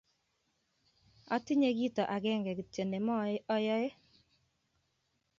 atinye kito agenge kityo ne mo ayei